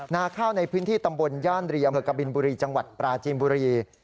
นาข้าวในพื้นที่ตำบลย่านรีอำเภอกบินบุรีจังหวัดปราจีนบุรี